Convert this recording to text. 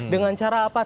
dengan cara apa